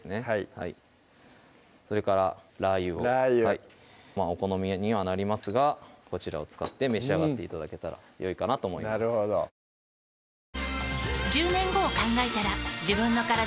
はいそれからラー油をラー油お好みにはなりますがこちらを使って召し上がって頂けたらよいかなと思いますでは４分たちました